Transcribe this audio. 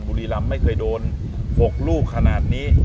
บุรีรำไม่เคยโดน๖ลูกขนาดนี้